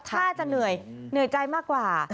ถ้าจะเหนื่อยเหนื่อยใจมากกว่า